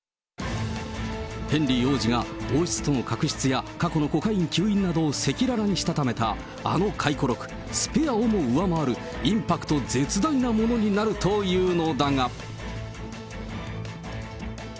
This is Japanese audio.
ヘンリー王子が王室との確執や過去のをしたためたあの回顧録、スペアをも上回るインパクト絶大なものになるというのだが。